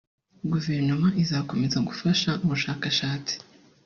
Guverinoma izakomeza gufasha ubushakashatsi